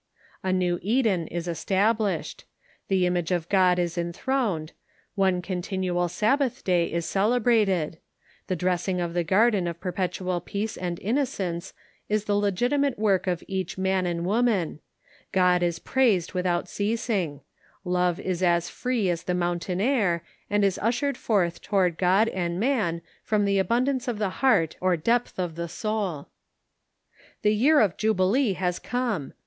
A new Eden is established ; the image of God is en throned ; one continual Sabbath day is celebrated ; the dressing of the garden of perpetual peace and innocence is the legitimate work of each man and woman; God is praised without ceasing ; love is as free as the mountain air, and is ushered forth toward God and man from tlie abundance of the heart or depth of the soul. The year of jubilee has come